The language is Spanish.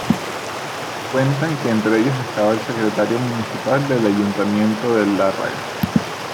Cuentan que entre ellos estaba el secretario municipal del ayuntamiento de Larraga.